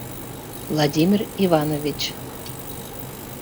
— Владимир Иванович.